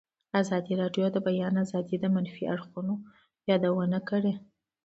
ازادي راډیو د د بیان آزادي د منفي اړخونو یادونه کړې.